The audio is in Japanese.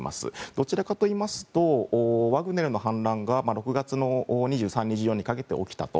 どちらかといいますとワグネルの反乱が６月の２３２４にかけて起きたと。